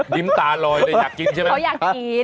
ยิ้มตาลอยแต่อยากกินใช่ไหมเค้าอยากกิน